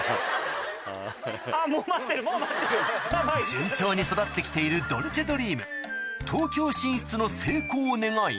順調に育って来ているドルチェドリーム東京進出の成功を願い